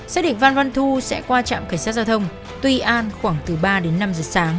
xe địch phan quang thu sẽ qua trạm cảnh sát giao thông tuy an khoảng từ ba đến năm giờ sáng